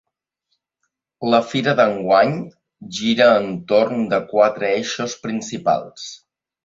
La fira d’enguany gira entorn de quatre eixos principals.